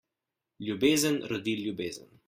Ljubezen rodi ljubezen.